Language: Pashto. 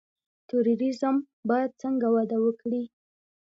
توریزم باید څنګه وده وکړي؟